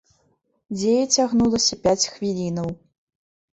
Дзея цягнулася пяць хвілінаў.